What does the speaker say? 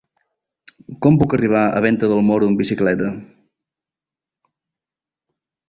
Com puc arribar a Venta del Moro amb bicicleta?